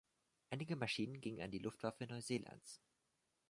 Einige Maschinen gingen an die Luftwaffe Neuseelands.